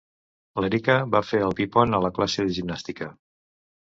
L'Èrika va fer el pi-pont a la classe de gimnàstica.